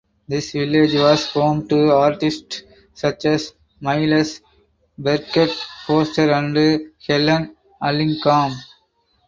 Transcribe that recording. This village was home to artists such as Myles Birket Foster and Helen Allingham.